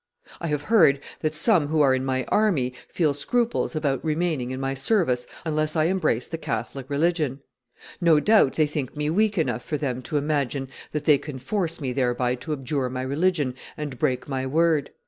I have heard that some who are in my army feel scruples about remaining in my service unless I embrace the Catholic religon. No doubt they think me weak enough for them to imagine that they can force me thereby to abjure my religion and break my word.